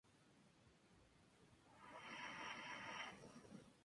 Posee importantes pinturas contemporáneas y obras de fotografía y escultura.